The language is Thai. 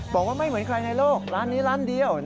บอกว่าไม่เหมือนใครในโลกร้านนี้ร้านเดียว